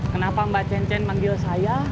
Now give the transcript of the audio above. kenapa mbak cen cen manggil saya